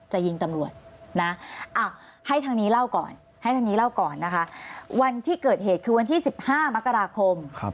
ให้ทางนี้เล่าก่อนวันที่เกิดเหตุคือวันที่๑๕มกราคม